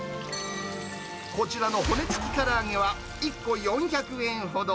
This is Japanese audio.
こちらの骨付きから揚げは、１個４００円ほど。